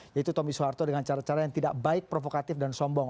yaitu tommy soeharto dengan cara cara yang tidak baik provokatif dan sombong